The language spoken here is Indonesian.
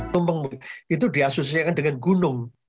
tumpeng itu diasosiasikan dengan gunung